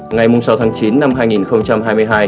ngày sáu tháng chín năm hai nghìn hai mươi hai